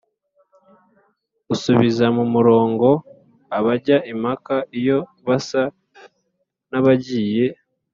usubiza mu murongo abajya impaka iyo basa n’abagiye